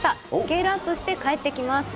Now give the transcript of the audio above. スケールアップして帰ってきます！